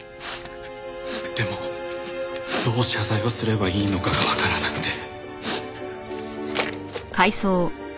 どう謝罪をすれば良いのかが分からなくて」